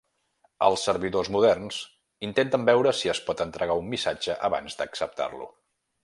Els servidors moderns intenten veure si es pot entregar un missatge abans d'acceptar-lo.